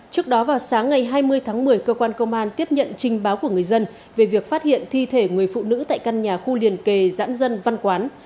trước đó vào sáng ngày hai mươi tháng một mươi cơ quan công an tiếp nhận trình báo của người dân về việc phát hiện thi thể người phụ nữ tại căn nhà khu liền kề giãn dân văn quán